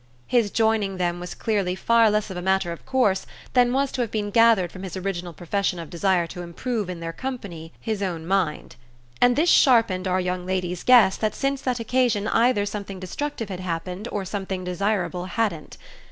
His joining them was clearly far less of a matter of course than was to have been gathered from his original profession of desire to improve in their company his own mind; and this sharpened our young lady's guess that since that occasion either something destructive had happened or something desirable hadn't.